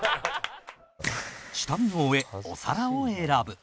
下見を終えお皿を選ぶ